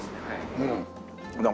うん。